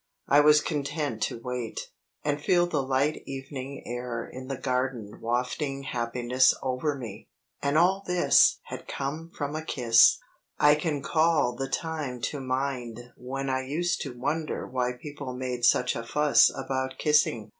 I was content to wait, and feel the light evening air in the garden wafting happiness over me. And all this had come from a kiss! I can call the time to mind when I used to wonder why people made such a fuss about kissing.